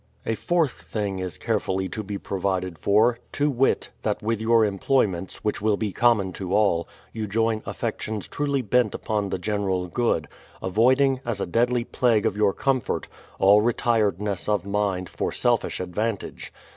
A fourth thing is carefully to be provided for, to wit, that with your employments, which will be common to all, you join affections truly bent upon the general good, avoiding, as a deadly plague of your comfort, all retiredness of mind for selfish advantage.